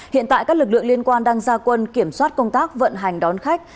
hiện tại các lực lượng liên quan đang ra quân kiểm soát công tác vận hành đón khách